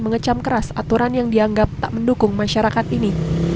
mengecam keras aturan yang dianggap tak mendukung masyarakat ini